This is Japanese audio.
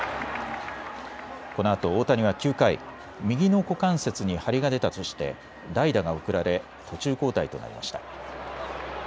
このあと大谷は９回、右の股関節に張りが出たとして代打が送られ途中交代となりました。